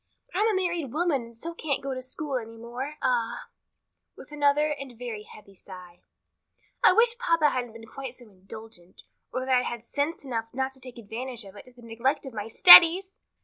"But I'm a married woman and so can't go to school any more. Ah," with another and very heavy sigh, "I wish papa hadn't been quite so indulgent, or that I'd had sense enough not to take advantage of it to the neglect of my studies!"